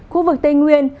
khu vực tây nguyên